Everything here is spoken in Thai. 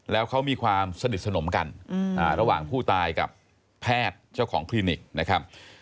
แล้วเขามีความสนิทสนมกันระหว่างผู้ตายกับแพทย์เจ้าของคลินิกนะครับ